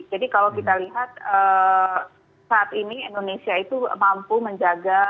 jadi kalau kita lihat saat ini indonesia itu mampu menjaga tingkat inflasi ya